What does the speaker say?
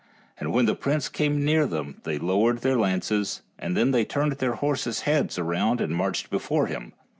And when the prince came near them they lowered their lances, and then they turned their horses' heads around and marched before him.